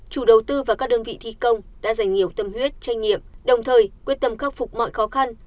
chủ đầu tư và các đơn vị thi công đã dành nhiều tâm huyết trách nhiệm đồng thời quyết tâm khắc phục mọi khó khăn